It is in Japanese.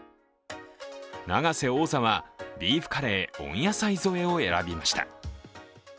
永瀬王座はビーフカレー温野菜添えを選びました。